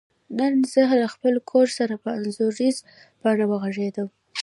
نن زه له خپل کور سره په انځوریزه بڼه وغږیدم.